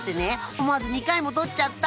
思わず２回も撮っちゃった！